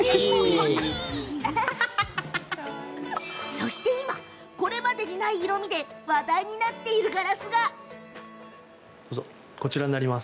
そして今、これまでにない色みで話題になっているガラスが。